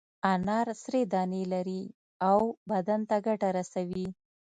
انار سرې دانې لري او بدن ته ګټه رسوي.